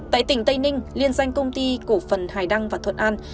tại tỉnh tây ninh liên danh công ty cổ phần hải đăng và thuận an